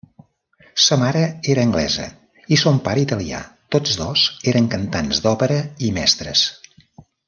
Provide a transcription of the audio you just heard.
Sa mare era anglesa i son pare italià, tots dos eren cantants d'òpera i mestres.